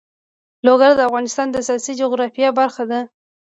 لوگر د افغانستان د سیاسي جغرافیه برخه ده.